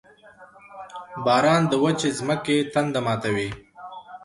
• باران د وچې ځمکې تنده ماتوي.